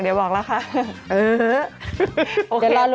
เดี๋ยวบอกแล้วค่ะ